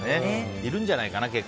いるんじゃないかな、結構。